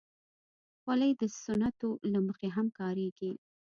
خولۍ د سنتو له مخې هم کارېږي.